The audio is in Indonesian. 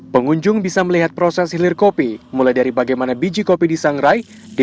pengunjung bisa melihat proses hilir kopi mulai dari bagaimana biji kopi disangrai hingga